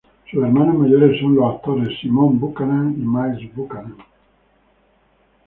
Sus hermanos mayores son los actores Simone Buchanan y Miles Buchanan.